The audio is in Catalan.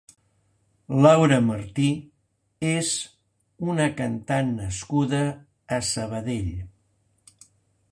Laura Martí és una cantant nascuda a Sabadell.